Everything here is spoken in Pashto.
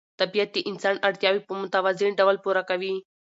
طبیعت د انسان اړتیاوې په متوازن ډول پوره کوي